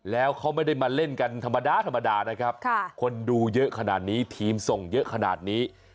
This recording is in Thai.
แล้วเขาไม่ได้มาเล่นกันธรรมดาธรรมดานะครับคนดูเยอะขนาดนี้ทีมส่งเยอะขนาดนี้